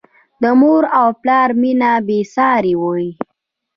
د مور او پلار مینه بې سارې وي.